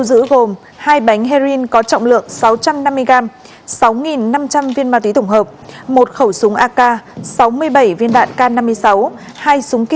đường hoàng minh giám phường nhân chính